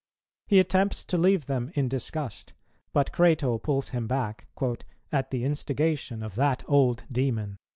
He attempts to leave them in disgust, but Crato pulls him back "at the instigation of that old demon."